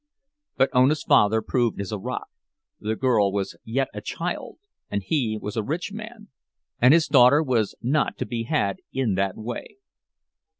But Ona's father proved as a rock—the girl was yet a child, and he was a rich man, and his daughter was not to be had in that way.